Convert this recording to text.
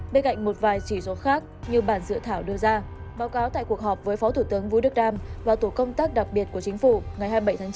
bên cạnh một vài chỉ số khác như bản dự thảo đưa ra báo cáo tại cuộc họp với phó thủ tướng vũ đức đam và tổ công tác đặc biệt của chính phủ ngày hai mươi bảy tháng chín